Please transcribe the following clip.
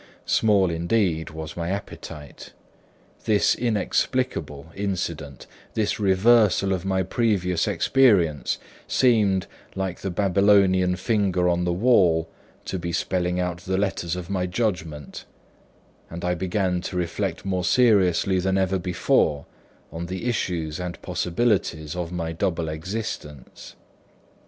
Small indeed was my appetite. This inexplicable incident, this reversal of my previous experience, seemed, like the Babylonian finger on the wall, to be spelling out the letters of my judgment; and I began to reflect more seriously than ever before on the issues and possibilities of my double existence.